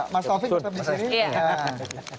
mas taufik tetap di sini